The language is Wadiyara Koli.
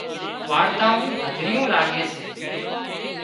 وارتائون هڌريون لاڳي سي